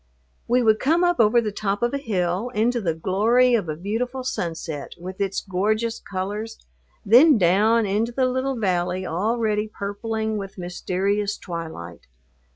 We would come up over the top of a hill into the glory of a beautiful sunset with its gorgeous colors, then down into the little valley already purpling with mysterious twilight.